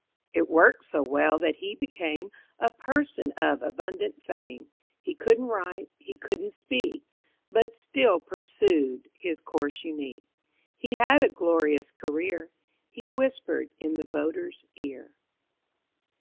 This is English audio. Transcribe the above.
It worked so well that he became A person of abundant fame. He couldn't write; he couldn't speak, But still pursued his course unique. He had a glorious career He whispered in the voter's ear.